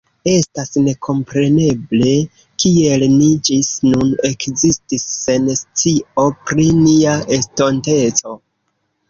Estas nekompreneble, kiel ni ĝis nun ekzistis sen scio pri nia estonteco.